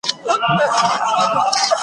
ښکاري زرکه هم په نورو پسي ولاړه .